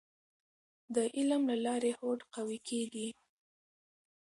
د علم له لارې هوډ قوي کیږي.